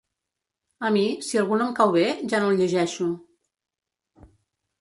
A mi, si algú no em cau bé, ja no el llegeixo.